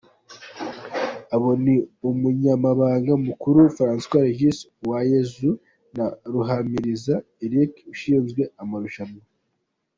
Abo ni Umunyamabanga Mukuru, François Regis Uwayezu na Ruhamiriza Eric ushinzwe amarushanwa.